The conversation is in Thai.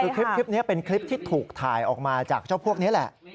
คือคลิปนี้เป็นคลิปที่ถูกถ่ายออกมาจากเจ้าพวกนี้แหละ